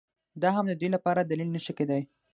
دا هم د دوی لپاره دلیل نه شي کېدای